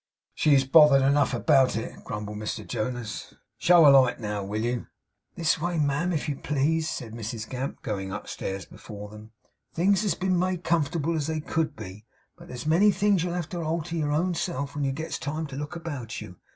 'She has bothered enough about it,' grumbled Mr Jonas. 'Now, show a light, will you?' 'This way, ma'am, if you please,' said Mrs Gamp, going upstairs before them. 'Things has been made as comfortable as they could be, but there's many things you'll have to alter your own self when you gets time to look about you!